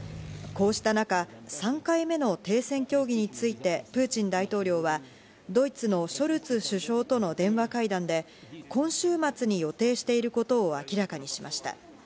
こうした中、３回目の停戦協議についてプーチン大統領はドイツのショルツ首相との電話会談で、今週末に予定していることを明らかにしました。